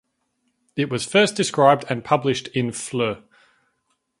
It was first described and published in Fl.